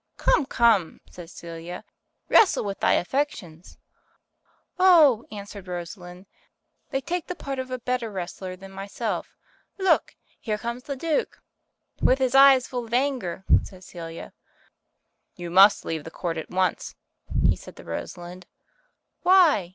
"Come come," said Celia, "wrestle with thy affections." "Oh," answered Rosalind, "they take the part of a better wrestler than myself. Look, here comes the Duke." "With his eyes full of anger," said Celia. "You must leave the Court at once," he said to Rosalind. "Why?"